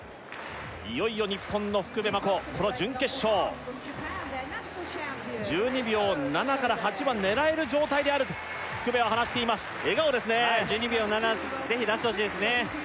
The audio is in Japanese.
いよいよ日本の福部真子この準決勝１２秒７から８は狙える状態であると福部は話しています笑顔ですねはい１２秒７ぜひ出してほしいですね